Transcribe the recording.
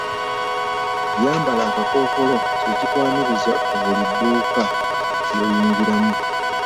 Yambala akakkookolo kye kikwaniriza ku buli dduuka ly'oyingiramu .